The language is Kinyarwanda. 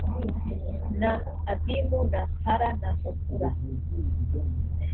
na avimu na para na ofura